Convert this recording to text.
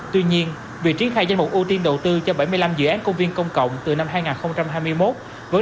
tuy nhiên việc triển khai danh mục ưu tiên đầu tư cho bảy mươi năm dự án công viên công cộng từ năm hai nghìn hai mươi một